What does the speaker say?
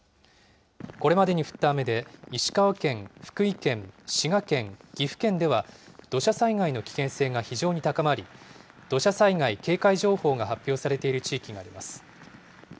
これまでに降った雨で、石川県、福井県、滋賀県、岐阜県では、土砂災害の危険性が非常に高まり、土砂災害警戒情報が発表されている地域があります。